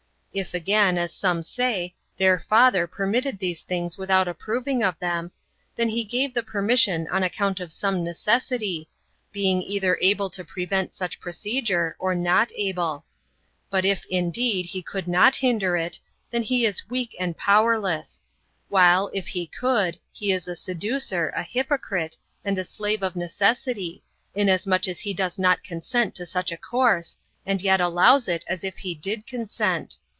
If again, as some say, their Father permitted these things without approving of them, then Pie gave the permission on account of some necessity, being either able to prevent [such procedure], or not able. But if indeed He could not [hinder it], then He is weak and powerless ; while, if He could. He is a seducer, a hypocrite, and a slave of necessity, inasmuch as He does not consent [to such a course], and yet allows it as if He did consent.